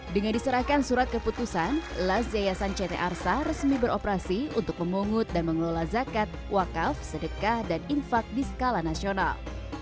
dengan diserahkan surat keputusan las yayasan ct arsa resmi beroperasi untuk memungut dan mengelola zakat wakaf sedekah dan infak di skala nasional